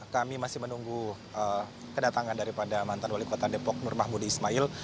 kami masih menunggu kedatangan daripada mantan wali kota depok nur mahmudi ismail